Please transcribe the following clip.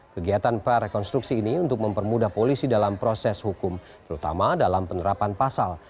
kegiatan prarekonstruksi ini untuk mempermudah polisi dalam proses hukum terutama dalam penerapan pasal